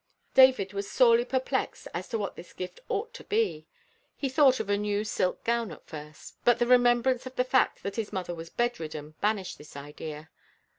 David was sorely perplexed as to what this gift ought to be. He thought of a new silk gown at first; but the remembrance of the fact that his mother was bedridden banished this idea.